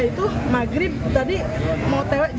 aku mau jalan pulang aku mau jalan pulang